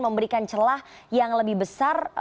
memberikan celah yang lebih besar